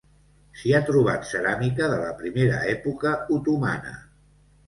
S'hi ha trobat ceràmica de la primera època otomana.